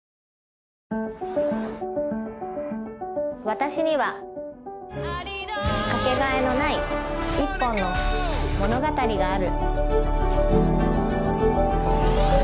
私にはかけがえのない一本の物語がある